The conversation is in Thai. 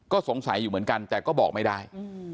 ก็สงสัยอยู่เหมือนกันแต่ก็บอกไม่ได้